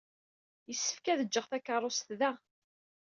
Yessefk ad jjeɣ takeṛṛust da.